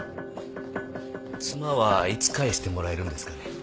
妻はいつ帰してもらえるんですかね？